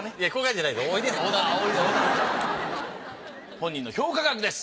本人の評価額です。